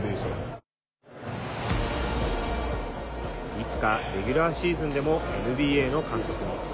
いつかレギュラーシーズンでもＮＢＡの監督に。